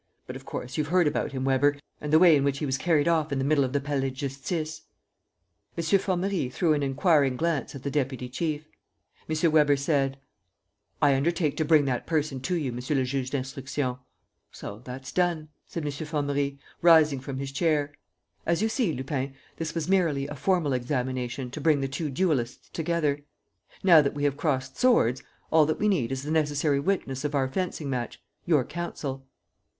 ... But, of course, you've heard about him, Weber, and the way in which he was carried off in the middle of the Palais de Justice?" M. Formerie threw an inquiring glance at the deputy chief. M. Weber said: "I undertake to bring that person to you, Monsieur le Juge d'Instruction." "So that's done," said M. Formerie, rising from his chair. "As you see, Lupin, this was merely a formal examination to bring the two duelists together. Now that we have crossed swords, all that we need is the necessary witness of our fencing match, your counsel."